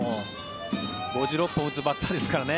５６本打つバッターですからね